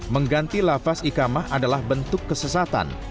mengganti lafaz ikamah adalah bentuk kesesatan